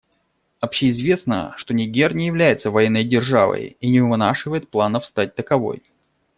Общеизвестно, что Нигер не является военной державой и не вынашивает планов стать таковой.